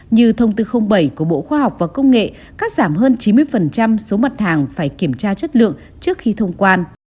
như thông tư bảy của bộ khoa học và công nghệ cắt giảm hơn chín mươi số mặt hàng phải kiểm tra chất lượng trước khi thông quan